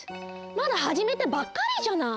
まだはじめたばっかりじゃない。